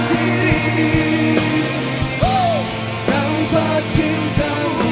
pegang pakcik jubku